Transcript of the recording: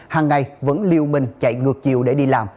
hàng ngày vẫn liêu minh chạy ngược chiều để đi làm